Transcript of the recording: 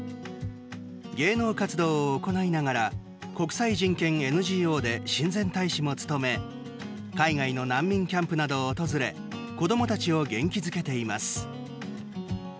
芸能活動を行いながら国際人権ＮＧＯで親善大使も務め海外の難民キャンプなどを訪れ子どもたちを元気づけています。